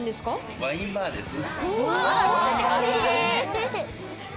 ワインバーです。